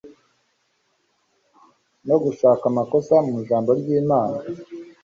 no gushaka amakosa mu Ijambo ry'Imana,